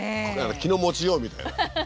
気の持ちようみたいな。